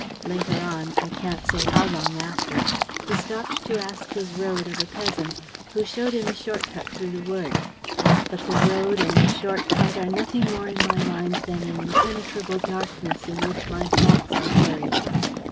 Later on I can't say how long after he stopped to ask his road of a peasant, who showed him a short cut through the woods. But the road and the short cut are nothing more in my mind than an impenetrable darkness in which my thoughts are buried.